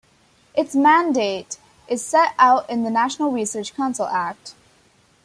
Its mandate is set out in the National Research Council Act.